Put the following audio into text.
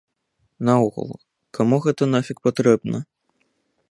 Наогул, каму гэта нафіг патрэбна?